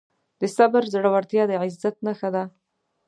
د صبر زړورتیا د عزت نښه ده.